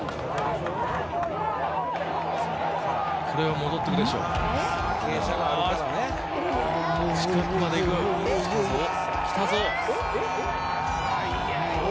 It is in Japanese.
これは戻ってくるでしょう。